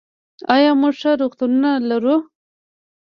آیا موږ ښه روغتونونه لرو؟